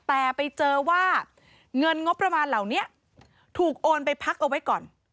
แต่ไปเจอว่าเงินงบประมาณเหล่านี้ถูกโอนไปพักเอาไว้ก่อน